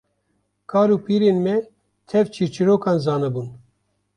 Kal û pîrên me tev çîrçîrokan zanibûn